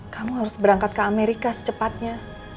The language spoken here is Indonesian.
kamu harus berangkat ke amerika secepatnya